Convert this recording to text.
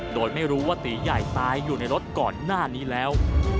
โดยไม่รู้ว่าตีใหญ่ตายอยู่ในรถก่อนหน้านี้แล้ว